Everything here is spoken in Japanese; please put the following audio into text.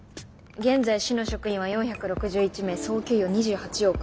現在市の職員は４６１名総給与２８億。